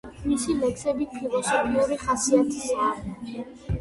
მისი ლექსები ფილოსოფიური ხასიათისაა.